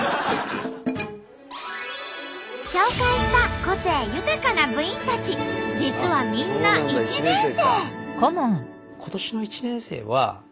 紹介した個性豊かな部員たち実はみんな１年生。